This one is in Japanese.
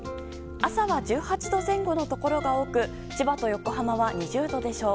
朝は１８度前後のところが多く千葉と横浜は２０度でしょう。